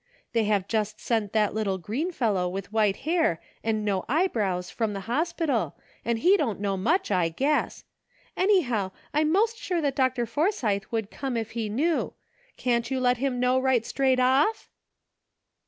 They have just sent that little green fellow with white hair and no eyebrows from the hospital, and he don't know much, I guess. Anyhow, I'm most sure that Dr. Forsythe would come if he knew. Can't you let him know right straight off